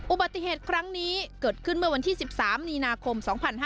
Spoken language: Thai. อุบัติเหตุครั้งนี้เกิดขึ้นเมื่อวันที่๑๓มีนาคม๒๕๕๙